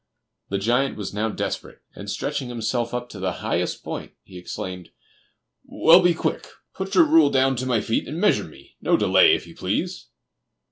The giant was now desperate, and, stretching himself up to the highest point, he exclaimed: "Well, be quick! put your rule down to my feet and measure me; no delay, if you please."